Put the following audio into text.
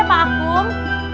sebentar ya pak akum